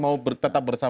mau tetap berjuang